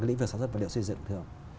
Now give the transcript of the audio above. lĩnh vực sản xuất vật liệu xây dựng thường